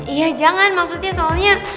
iya jangan maksudnya soalnya